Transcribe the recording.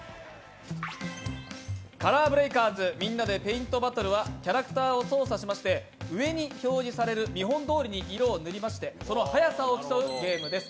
「カラーブレイカーズみんなでペイントバトル」はキャラクターを操作しまして上に表示される見本どおりに色を塗りましてその速さを競うゲームです。